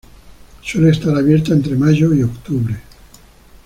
Suele estar abierto entre mayo y octubre.